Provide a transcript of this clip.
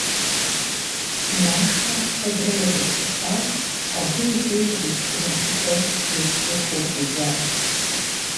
Машэ куэдрэ егупсысащ абы икӏи зэритхыну щӏыкӏэр иубзыхуу щӏидзащ.